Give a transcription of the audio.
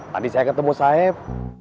tadi saya ketemu saeb